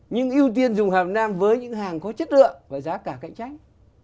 nhưng ưu tiên dùng hàm việt nam với những hàng có chất lượng và giá cả cạnh tranh